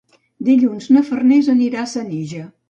Dilluns na Farners anirà a Senija.